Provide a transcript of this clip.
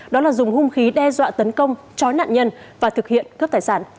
đó là dùng hung khí đe dọa tấn công chói nạn nhân và thực hiện cướp tài sản